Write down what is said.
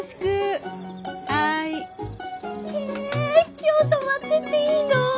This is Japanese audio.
今日泊まってっていいの？